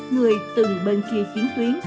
người từng bên kia chiến tuyến